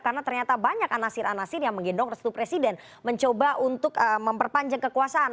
karena ternyata banyak anasir anasir yang menggendong restu presiden mencoba untuk memperpanjang kekuasaan